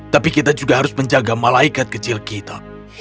tapi kita juga harus menjaga malaikat kecil kita